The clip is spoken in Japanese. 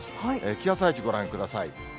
気圧配置ご覧ください。